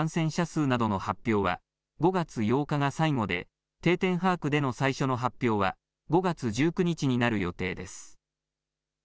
毎日の感染者数などの発表は５月８日が最後で定点把握での最初の発表は５月１９日になる予定です。